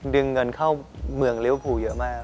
ดึงเงินเข้าเมืองเลเวอร์ภูมิเยอะมาก